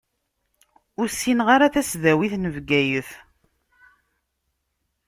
Ur ssineɣ ara tasdawit n Bgayet.